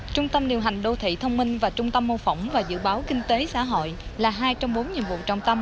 trung tâm điều hành đô thị thông minh và trung tâm mô phỏng và dự báo kinh tế xã hội là hai trong bốn nhiệm vụ trọng tâm